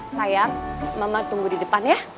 sayang mama tunggu di depan ya